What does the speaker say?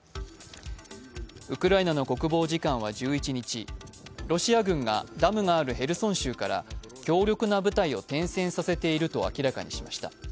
ウクライナの国防次官は１１日、ロシア軍がダムがあるヘルソン州から強力な部隊を転戦させていると明らかにしました。